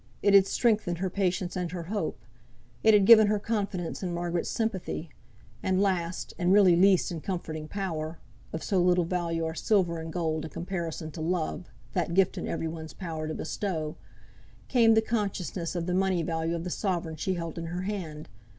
It had strengthened her patience and her hope. It had given her confidence in Margaret's sympathy; and last, and really least in comforting power (of so little value are silver and gold in comparison to love, that gift in every one's power to bestow), came the consciousness of the money value of the sovereign she held in her hand.